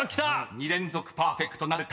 ［２連続パーフェクトなるか。